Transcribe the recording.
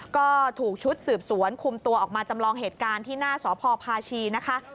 ก็ถูกชุดสืบสวนคุมตัวออกมาจำลองเหตุการณ์ที่หน้าสพพาชีนะคะ